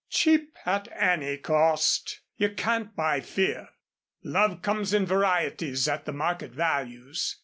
"Cheap at any cost. You can't buy fear. Love comes in varieties at the market values.